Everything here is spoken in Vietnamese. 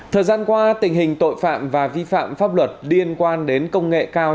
thời gian qua tình hình tội phạm và vi phạm pháp luật liên quan đến công nghệ cao